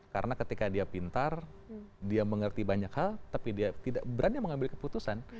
karena ketika dia pintar dia mengerti banyak hal tapi dia tidak berani mengambil keputusan